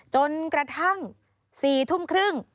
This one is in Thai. จนกระทั่ง๔ทุ่มครึ่ง